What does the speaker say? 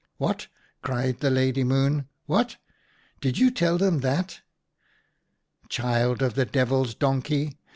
"'What! cried the Lady Moon, 'what! did you tell them that ? Child of the devil's donkey!